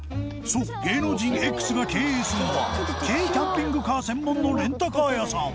そう芸能人 Ｘ が経営するのは軽キャンピングカー専門のレンタカー屋さん